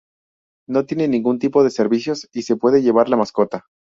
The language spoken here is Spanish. No tiene ningún tipo de servicios y se puede llevar la mascota.